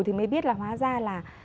thì mới biết là hóa ra là